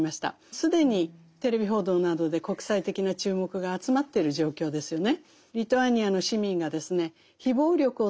既にテレビ報道などで国際的な注目が集まってる状況ですよね。